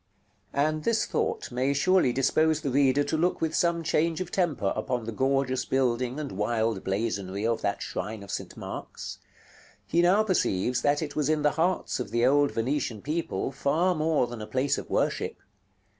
§ LXXXI. And this thought may surely dispose the reader to look with some change of temper upon the gorgeous building and wild blazonry of that shrine of St. Mark's. He now perceives that it was in the hearts of the old Venetian people far more than a place of worship.